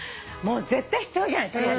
絶対必要じゃない。